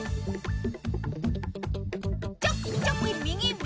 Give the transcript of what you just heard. チョキチョキ右右。